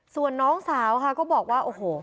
ส่วนน้องสาวค่ะก็บอกว่าโอ้โห